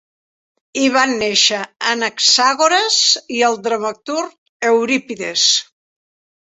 Hi van néixer Anaxàgores, i el dramaturg Eurípides.